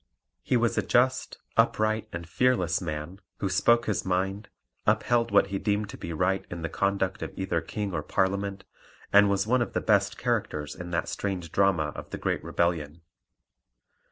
He was a just, upright, and fearless man, who spoke his mind, upheld what he deemed to be right in the conduct of either King or Parliament, and was one of the best characters in that strange drama of the Great Rebellion.